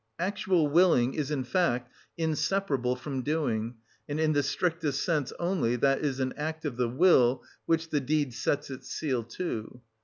Actual willing is, in fact, inseparable from doing and in the strictest sense only that is an act of will which the deed sets its seal to.